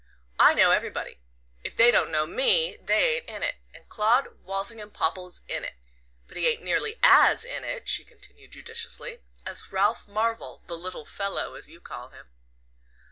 "I know everybody. If they don't know ME they ain't in it, and Claud Walsingham Popple's in it. But he ain't nearly AS in it," she continued judicially, "as Ralph Marvell the little fellow, as you call him."